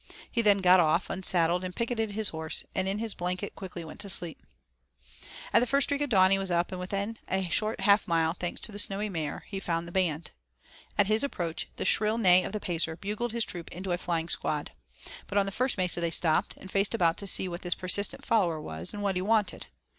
He then got off, unsaddled and picketed his horse, and in his blanket quickly went to sleep. At the first streak of dawn he was up, and within a short half mile, thanks to the snowy mare, he found the band. At his approach, the shrill neigh of the Pacer bugled his troop into a flying squad. But on the first mesa they stopped, and faced about to see what this persistent follower was, and what he wanted.